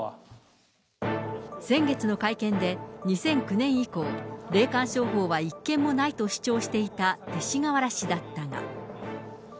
先月の会見で、２００９年以降、霊感商法は一件もないと主張していた勅使河原氏だったが。